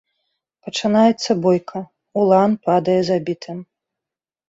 Пачынаецца бойка, улан падае забітым.